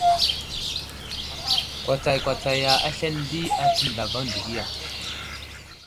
Kwatsakwatsaya aslane di atsən zlavaŋ degiya.